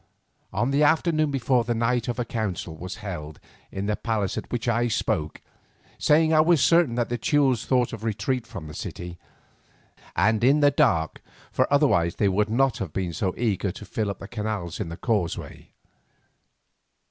On the afternoon before that night a council was held in the palace at which I spoke, saying, I was certain that the Teules thought of retreat from the city, and in the dark, for otherwise they would not have been so eager to fill up the canals in the causeway.